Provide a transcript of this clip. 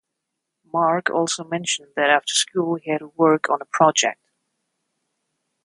Mark also mentioned that after school he had to work on a project.